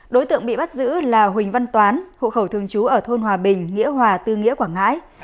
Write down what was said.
đối tượng bị bắt giữ là huỳnh văn toán hộ khẩu thường trú ở thôn hòa bình nghĩa hòa tư nghĩa quảng ngãi